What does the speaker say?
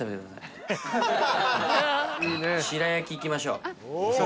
白焼いきましょう。